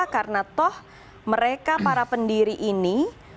karena toh mereka para pendiri ini